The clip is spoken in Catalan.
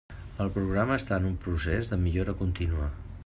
El programa està en un procés de millora contínua.